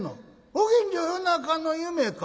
「ご近所夜中の夢か？